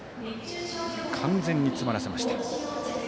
完全に詰まらせました。